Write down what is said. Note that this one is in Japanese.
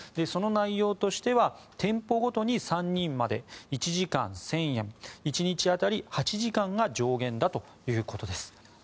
その内容としては店舗ごとに３人まで１時間１０００円１日当たり８時間が上限だということです。